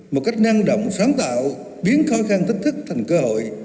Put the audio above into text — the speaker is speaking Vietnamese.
một cách năng động sáng tạo biến khó khăn thách thức thành cơ hội